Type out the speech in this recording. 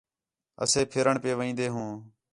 اَسے پھرݨ پئے وین٘دے ہوں